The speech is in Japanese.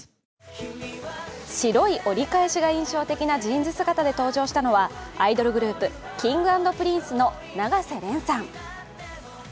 白い折り返しが印象的なジーンズ姿で登場したのはアイドルグループ、Ｋｉｎｇ＆Ｐｒｉｎｃｅの永瀬廉さん。